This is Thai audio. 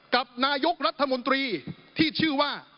กับนายกรัฐมนตรีที่ชื่อว่า